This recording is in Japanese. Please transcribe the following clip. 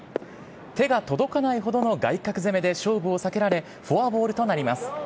手が届かないほどの外角攻めで勝負を避けられ、フォアボールとなります。